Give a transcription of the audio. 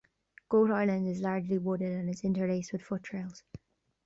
Goat island is largely wooded and is interlaced with foot trails.